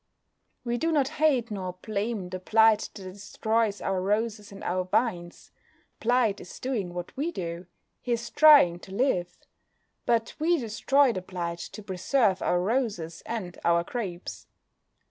We do not hate nor blame the blight that destroys our roses and our vines. The blight is doing what we do: he is trying to live. But we destroy the blight to preserve our roses and our grapes.